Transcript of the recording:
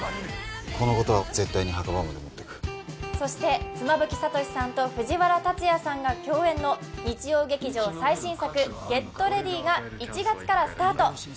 このことは絶対に墓場まで持っていくそして妻夫木聡さんと藤原竜也さんが共演の日曜劇場最新作「ＧｅｔＲｅａｄｙ！」が１月からスタート